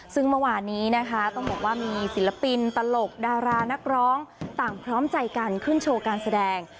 ซึ่งเมื่อวานนี้นะคะต้องบอกว่ามีศิลปินตลกดารานักร้องต่างพร้อมใจกันขึ้นโชว์การแสดง